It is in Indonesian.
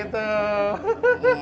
ada juga suara yang lain